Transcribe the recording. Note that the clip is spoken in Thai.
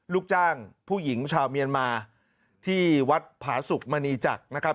ลูกจ้างผู้หญิงชาวเมียนมาที่วัดผาสุกมณีจักรนะครับ